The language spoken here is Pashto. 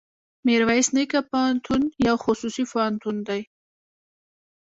ميرويس نيکه پوهنتون يو خصوصي پوهنتون دی.